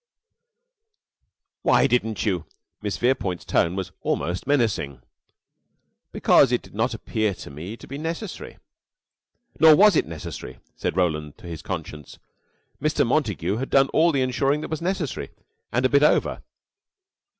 "Why didn't you?" Miss Verepoint's tone was almost menacing. "Because it did not appear to me to be necessary." Nor was it necessary, said Roland to his conscience. Mr. Montague had done all the insuring that was necessary and a bit over.